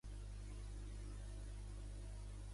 Francament: el dictador africanista, freturava d'un colló?